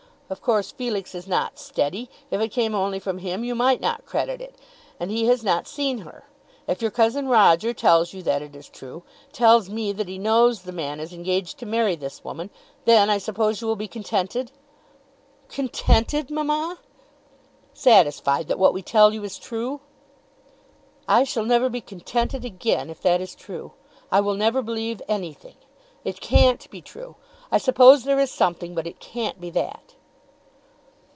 Of course Felix is not steady. If it came only from him you might not credit it. And he has not seen her. If your cousin Roger tells you that it is true, tells me that he knows the man is engaged to marry this woman, then I suppose you will be contented." "Contented, mamma!" "Satisfied that what we tell you is true." "I shall never be contented again. If that is true, I will never believe anything. It can't be true. I suppose there is something, but it can't be that."